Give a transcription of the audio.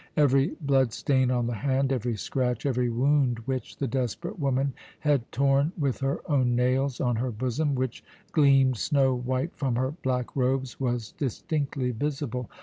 Every blood stain on the hand, every scratch, every wound which the desperate woman had torn with her own nails on her bosom, which gleamed snow white from her black robes, was distinctly visible.